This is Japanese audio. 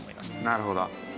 なるほど。